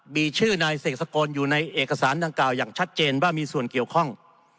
มีชื่อนายเสกสกลอยู่ในเอกสารดังกล่าวอย่างชัดเจนว่ามีส่วนเกี่ยวข้อง